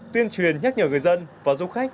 tuyên truyền nhắc nhở người dân và du khách